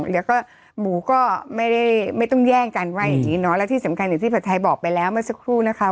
แล้วก็หมูก็ไม่ได้ไม่ต้องแย่งกันว่าอย่างนี้เนอะและที่สำคัญอย่างที่ผัดไทยบอกไปแล้วเมื่อสักครู่นะคะ